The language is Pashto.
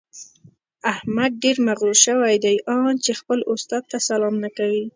احمد ډېر مغروره شوی دی؛ ان چې خپل استاد ته سلام نه کوي.